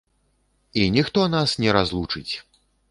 І ніхто нас не разлучыць!